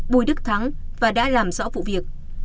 bùi đức thắng và đã làm rõ vụ việc